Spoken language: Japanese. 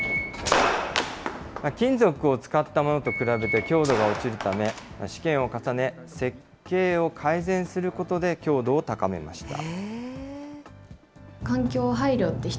金属を使ったものと比べて強度が落ちるため、試験を重ね、設計を改善することで強度を高めました。